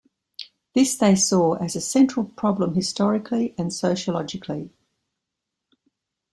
This they saw as a central problem historically and sociologically.